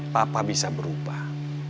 papa bisa berubah